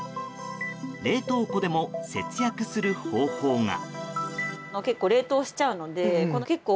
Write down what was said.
冷凍庫でも節約する方法が。